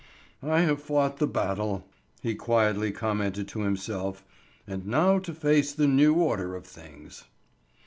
"I have fought the battle," he quietly commented to himself; "and now to face the new order of things!"